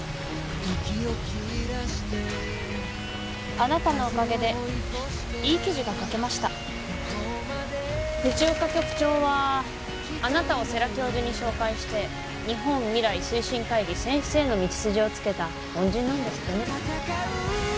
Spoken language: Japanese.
あなたのおかげでいい記事が書けました藤岡局長はあなたを世良教授に紹介して日本未来推進会議選出への道筋をつけた恩人なんですってね